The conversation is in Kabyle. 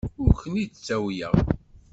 Ur ken-id-ttawyeɣ.